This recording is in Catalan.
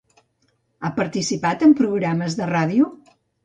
Ha participat en programes de ràdio?